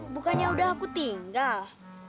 bukannya udah aku tinggal